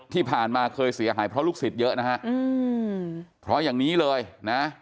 ที่ผ่านมาเคยเสียหายเพราะลูกศิษย์เยอะนะฮะอืมเพราะอย่างนี้เลยนะ